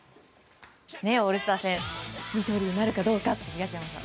オールスター戦二刀流なるかどうか、東山さん。